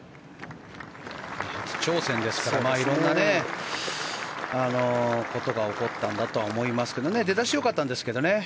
初挑戦ですからいろんなことが起こったとは思いますけど出だしは良かったんですけどね。